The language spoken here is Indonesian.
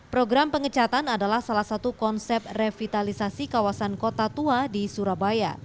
program pengecatan adalah salah satu konsep revitalisasi kawasan kota tua di surabaya